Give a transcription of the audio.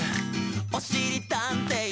「おしりたんてい